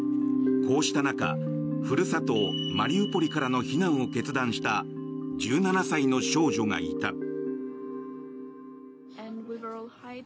こうした中ふるさと、マリウポリからの避難を決断した１７歳の少女がいた。